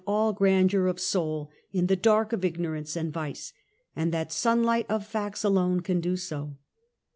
all grandeur of soul in the dark of ignorance and vice, and that sunlight of facts alone can do so.